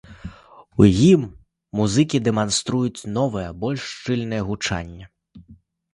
У ім музыкі дэманструюць новае, больш шчыльнае гучанне.